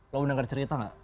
lo denger cerita nggak